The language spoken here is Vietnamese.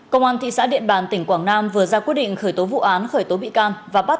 công an thị xã điện bàn tỉnh quảng nam vừa ra quyết định khởi tố vụ án khởi tố bị can và bắt